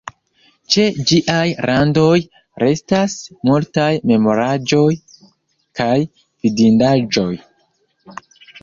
Ĉe ĝiaj randoj restas multaj memoraĵoj kaj vidindaĵoj.